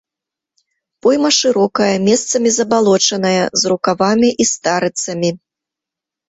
Пойма шырокая, месцамі забалочаная, з рукавамі і старыцамі.